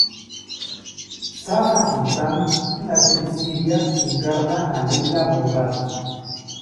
Safa Sultan, una actriz siria, encarna a Leila Mourad.